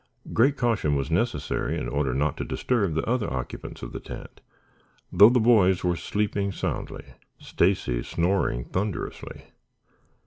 Great caution was necessary in order not to disturb the other occupants of the tent, though the boys were sleeping soundly, Stacy snoring thunderously.